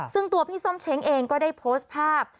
ซึ่งตัวพี่ส้มเช้งเองก็ได้โพสต์ภาพ